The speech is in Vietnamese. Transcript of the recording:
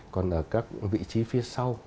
còn ở các vị trí phía sau